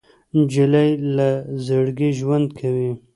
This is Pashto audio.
نجلۍ له زړګي ژوند کوي.